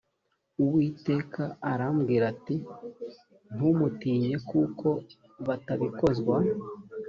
uwiteka arambwira ati ntumutinye kuko batabikozwa